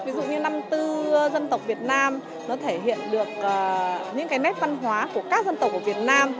ví dụ như năm tư dân tộc việt nam nó thể hiện được những cái nét văn hóa của các dân tộc của việt nam